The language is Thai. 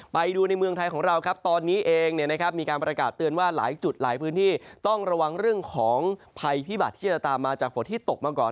ไปดูในเมืองไทยของเราครับตอนนี้เองมีการประกาศเตือนว่าหลายจุดหลายพื้นที่ต้องระวังเรื่องของภัยพิบัตรที่จะตามมาจากฝนที่ตกมาก่อน